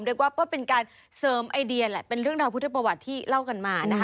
เรียกว่าก็เป็นการเสริมไอเดียแหละเป็นเรื่องราวพุทธประวัติที่เล่ากันมานะคะ